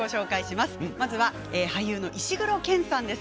まずは俳優の石黒賢さんです。